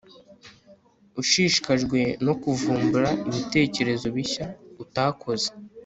ushishikajwe no kuvumbura ibitekerezo bishya utakoze